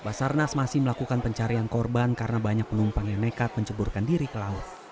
basarnas masih melakukan pencarian korban karena banyak penumpang yang nekat menceburkan diri ke laut